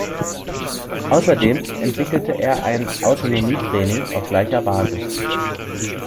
Außerdem entwickelte er ein „Autonomie-Training“ auf gleicher Basis.